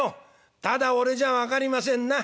「ただ『俺』じゃ分かりませんな。